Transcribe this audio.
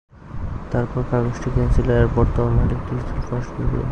তারপর কাগজটি কিনেছিল এর বর্তমান মালিক ডিজিটাল ফার্স্ট মিডিয়া।